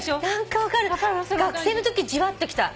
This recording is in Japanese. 学生のときじわっときた。